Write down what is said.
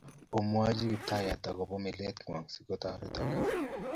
Omwonjin Kiptayat akoba milet ng'wo sikotoritok